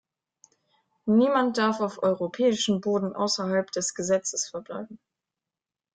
Niemand darf auf europäischem Boden außerhalb des Gesetzes verbleiben.